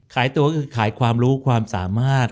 ขายตัวก็คือขายความรู้ความสามารถ